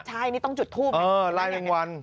ใช่นี่ต้องจุดทูปไงนี่เออไล่แมลงวัน